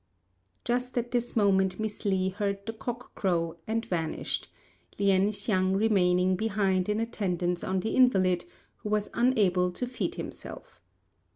Just at this moment Miss Li heard the cock crow and vanished, Lien hsiang remaining behind in attendance on the invalid, who was unable to feed himself.